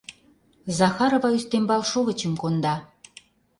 Захарова ӱстембал шовычым конда.